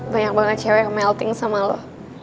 banyak banget cewek yang melting sama lo